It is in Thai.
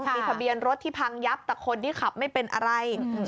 มีทะเบียนรถที่พังยับแต่คนที่ขับไม่เป็นอะไร